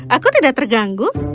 aku tidak terganggu